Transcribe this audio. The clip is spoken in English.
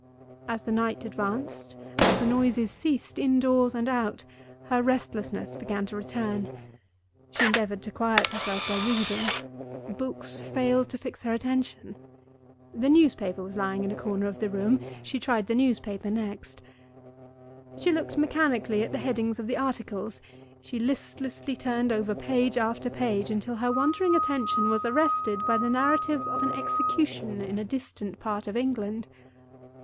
As the night advanced, as the noises ceased indoors and out, her restlessness began to return. She endeavored to quiet herself by reading. Books failed to fix her attention. The newspaper was lying in a corner of the room: she tried the newspaper next. She looked mechanically at the headings of the articles; she listlessly turned over page after page, until her wandering attention was arrested by the narrative of an Execution in a distant part of England.